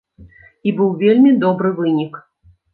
І быў вельмі добры вынік.